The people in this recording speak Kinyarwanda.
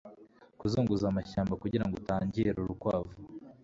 Kuzunguza amashyamba kugirango utangire urukwavu